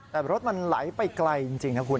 แต่รถมันไหลไปไกลจริงนะคุณ